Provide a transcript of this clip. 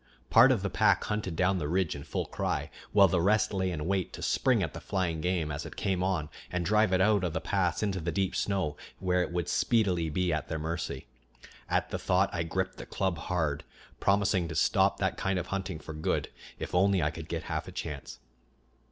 Part of the pack hunted down the ridge in full cry, while the rest lay in wait to spring at the flying game as it came on and drive it out of the paths into the deep snow, where it would speedily be at their mercy. At the thought I gripped the club hard, promising to stop that kind of hunting for good, if only I could get half a chance.